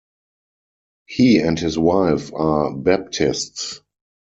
He and his wife are Baptists.